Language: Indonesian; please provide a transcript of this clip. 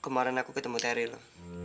kemarin aku ketemu teri lu